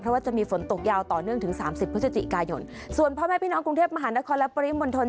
เพราะว่าจะมีฝนตกยาวต่อเนื่องถึงสามสิบพฤศจิกายนส่วนพ่อแม่พี่น้องกรุงเทพมหานครและปริมณฑล